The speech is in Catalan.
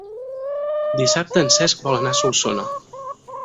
Dissabte en Cesc vol anar a Solsona.